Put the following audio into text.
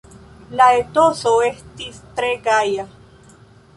La etoso estis tre gaja.